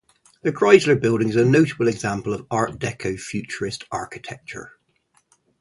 The Chrysler Building is a notable example of Art Deco futurist architecture.